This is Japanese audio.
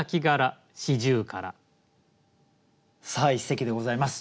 さあ一席でございます。